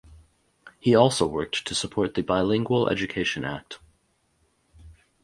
He also worked to support the Bilingual Education Act.